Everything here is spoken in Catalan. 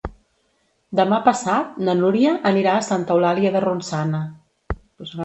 Demà passat na Núria anirà a Santa Eulàlia de Ronçana.